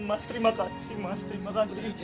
mas terima kasih mas terima kasih